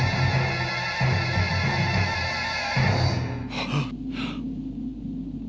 はっ！